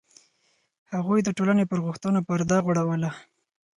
هغوی د ټولنې پر غوښتنو پرده غوړوله.